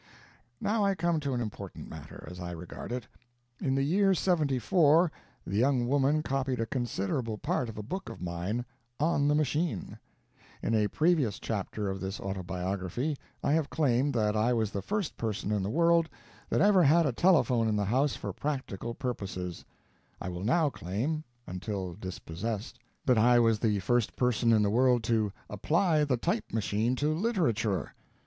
Now I come to an important matter as I regard it. In the year '74 the young woman copied a considerable part of a book of mine on the machine. In a previous chapter of this Autobiography I have claimed that I was the first person in the world that ever had a telephone in the house for practical purposes; I will now claim until dispossessed that I was the first person in the world to apply the type machine to literature.